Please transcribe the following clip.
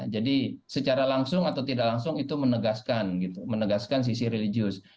jadi secara langsung atau tidak langsung itu menegaskan sisi religius